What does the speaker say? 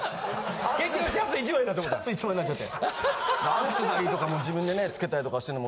アクセサリーとかも自分でつけたりとかしてるのに。